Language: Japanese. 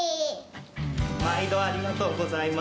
まいどありがとうございます。